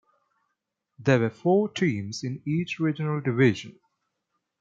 There were four teams in each regional division.